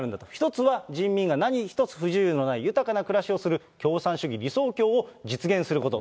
１つは、人民が何一つ不自由のない豊かな暮らしをする共産主義理想郷を実現すること。